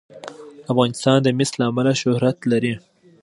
افغانستان د مس له امله شهرت لري.